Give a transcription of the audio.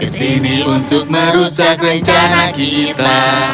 kesini untuk merusak rencana kita